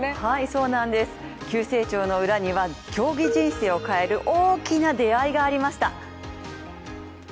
そうなんです、急成長の裏には競技人生を変える大きな出会いがありました。